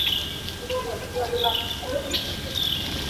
Hi um a sertu cu amah a si.